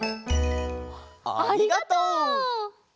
ありがとう！